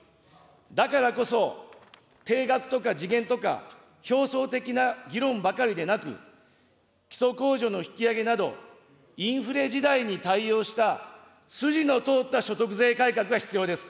だからこそ、定額とか時限とか、表層的な議論ばかりでなく、基礎控除の引き上げなど、インフレ時代に対応した筋の通った所得税改革が必要です。